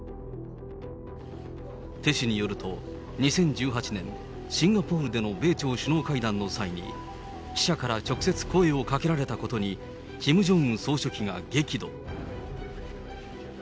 テ氏によると、２０１８年、シンガポールでの米朝首脳会談の際に、記者から直接声をかけられたことに、キム・ジョンウン総書記が激怒。